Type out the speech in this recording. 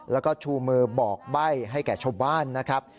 แล้วก็ชูมือบอกใบ้ให้แก่ชาวบ้านนะครับ